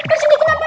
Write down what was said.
mas randy kenapa